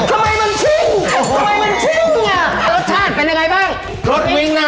เฮ้ยทำไมมันชิ้งทำไมมันชิ้งอ่ะ